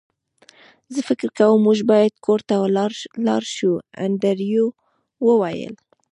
زه فکر کوم موږ باید کور ته لاړ شو انډریو وویل